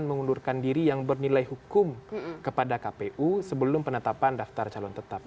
mengundurkan diri yang bernilai hukum kepada kpu sebelum penetapan daftar calon tetap